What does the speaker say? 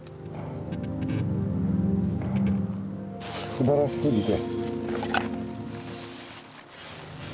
すばらしすぎて。